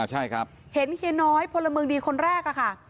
ใช่ครับเห็นเฮียน้อยพลเมืองดีคนแรกอะค่ะ